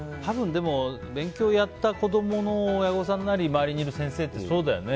勉強をやった子供の親御さんなり周りにいる先生ってそうだよね。